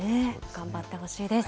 頑張ってほしいです。